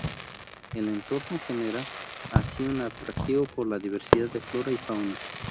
El entorno genera así un atractivo por la diversidad de flora y fauna.